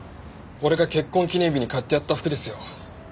俺が結婚記念日に買ってやった服ですよ。